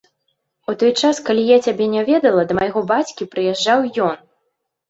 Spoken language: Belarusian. У той час, калі я цябе не ведала, да майго бацькі прыязджаў ён.